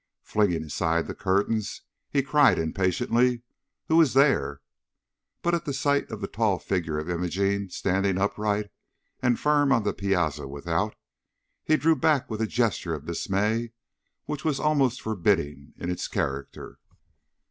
Flinging aside the curtains, he cried impatiently: "Who is there?" But at sight of the tall figure of Imogene standing upright and firm on the piazza without, he drew back with a gesture of dismay, which was almost forbidding in its character.